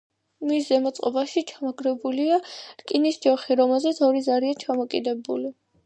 მის ზემოთ წყობაში ჩამაგრებულია რკინის ჯოხი რომელზეც ორი ზარია ჩამოკიდებული.